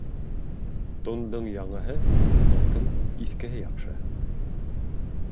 Тундың яңыһы, дуҫтың иҫкеһе яҡшы.